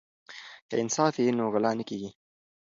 که انصاف وي نو غلا نه کیږي.